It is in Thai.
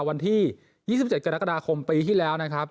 วันที่๒๗กรกฎาคมปีที่แล้วนะครับ